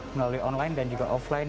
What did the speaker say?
melalui online dan juga offline